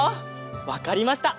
わかりました。